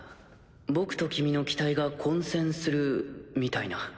僕と君の機体が混線するみたいな。